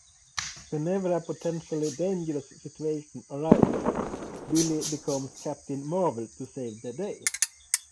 Whenever a potentially dangerous situation arises, Billy becomes Captain Marvel to save the day.